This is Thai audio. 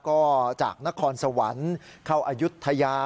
ก็จากนครสวรรค์เข้าอายุทยา